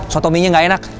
sholat tominya nggak enak